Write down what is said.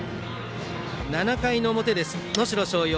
７回の表、能代松陽